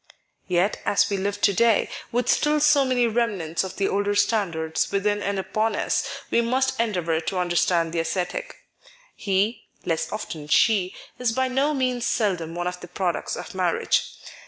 Yet, as we live to day, with still so many rerhnants of the older standards within and upon us, we must endeavour to understand the ascetic. He (less often she) is by no means seldom one of the products of marriage.